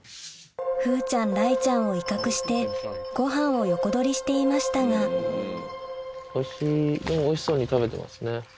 風ちゃん雷ちゃんを威嚇してごはんを横取りしていましたがおいしいおいしそうに食べてますね。